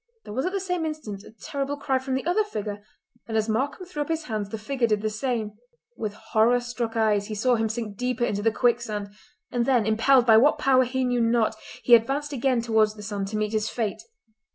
There was at the same instant a terrible cry from the other figure, and as Markam threw up his hands the figure did the same. With horror struck eyes he saw him sink deeper into the quicksand; and then, impelled by what power he knew not, he advanced again towards the sand to meet his fate.